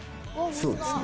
そうですね。